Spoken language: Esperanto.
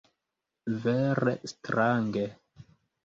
Vere strange!